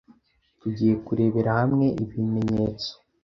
Tugiye kurebera hamwe ibimenyetso